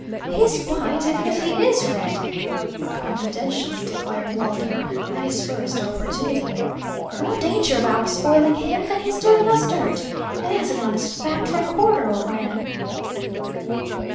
"He's white, even if he is red!" confidentially declared Waldo, at his first opportunity. "More danger of our spoiling him than his doing us dirt; and that's an honest fact for a quarter, old man!"